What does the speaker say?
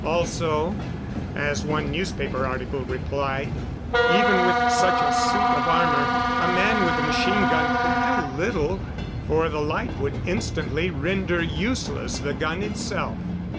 Also, as one newspaper article replied, even with such a suit of armor a man with a machine gun could do little, for the light would instantly render useless the gun itself.